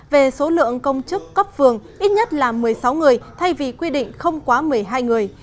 về số lượng công chức cấp phường ít nhất là một mươi sáu người thay vì quy định không quá một mươi hai người